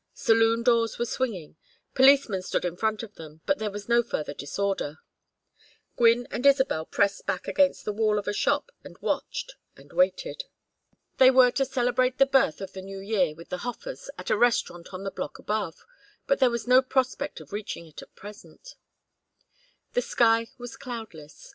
Saloon doors were swinging. Policemen stood in front of them, but there was no further disorder. Gwynne and Isabel pressed back against the wall of a shop and watched and waited. They were to celebrate the birth of the New Year with the Hofers at a restaurant on the block above, but there was no prospect of reaching it at present. The sky was cloudless.